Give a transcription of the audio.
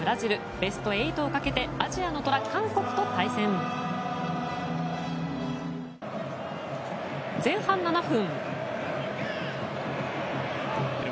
ベスト８をかけてアジアの虎、韓国と対戦。前半７分。